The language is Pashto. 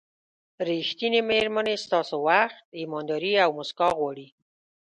ریښتینې مېرمنې ستاسو وخت، ایمانداري او موسکا غواړي.